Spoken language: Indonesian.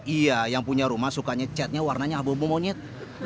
iya yang punya rumah sukanya chatnya warnanya abu monyet